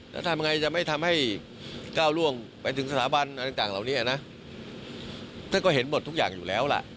แล้วทำยังไงจะไม่ทำให้ก้าวล่วงไปถึงสถาบันอะไรต่างเหล่านี้นะท่านก็เห็นหมดทุกอย่างอยู่แล้วล่ะ